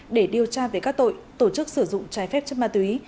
để điều tra về các tội tổ chức sử dụng trái phép chất ma túy